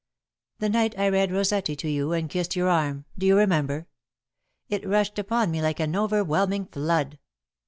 "The night I read Rossetti to you and kissed your arm, do you remember? It rushed upon me like an overwhelming flood.